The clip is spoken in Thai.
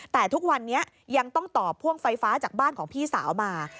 แต่ทุกวันนี้ยังต้องต่อพ่วงไฟฟ้าจากบ้านของพี่สาวมา